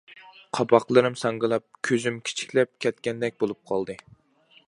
قاپاقلىرىم ساڭگىلاپ، كۆزۈم كىچىكلەپ كەتكەندەك بولۇپ قالدى.